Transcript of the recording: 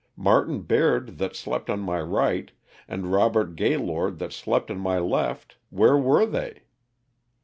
Martin Baird that slept on my right and Robert Gaylord that slept on my left, where were they?